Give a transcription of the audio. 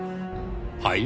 はい？